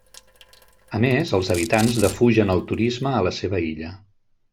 A més, els habitants defugen el turisme a la seva illa.